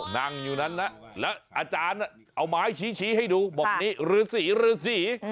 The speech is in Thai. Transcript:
นั่งอยู่นั้นนะแล้วอาจารย์เอาไม้ชี้ให้ดูบอกนี่หรือสิหรือสิ